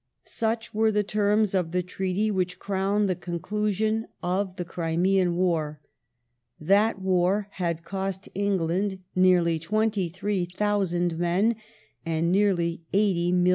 Such were the terms of the treaty which crowned the conclusion of the Crimean War. That war had cost England nearly 23,000 men, and nearly £80,000,000.